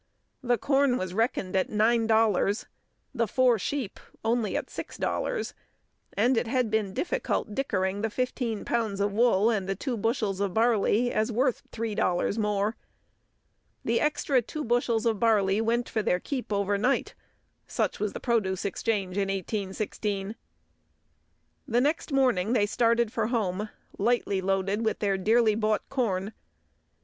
The corn was reckoned at nine dollars, the four sheep at only six dollars, and it had been difficult "dickering" the fifteen pounds of wool and the two bushels of barley as worth three dollars more. The extra two bushels of barley went for their keep overnight. Such was produce exchange in 1816. The next morning they started for home, lightly loaded with their dearly bought corn.